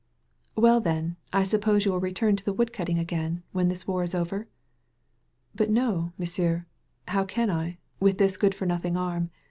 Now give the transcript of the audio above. "Well, then, I suppose you will return to the wood cutting again, when this war is over." "But no, M'sieu', how can I, with this good for nothing arm?